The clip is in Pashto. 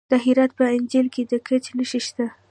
د هرات په انجیل کې د ګچ نښې شته.